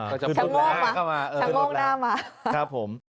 ก็จะพูดมากก็มาเออพูดแล้วครับครับผม